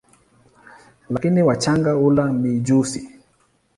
Lakini wachanga hula mijusi.